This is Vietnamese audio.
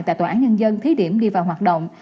tại tòa án nhân dân thí điểm đi vào hoạt động